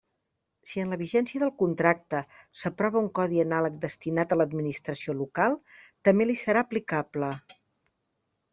Si en la vigència del contracte s'aprova un codi anàleg destinat a l'administració local, també li serà aplicable.